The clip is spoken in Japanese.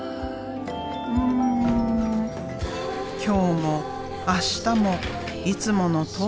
今日も明日もいつものとおり。